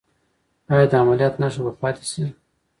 ایا د عملیات نښه به پاتې شي؟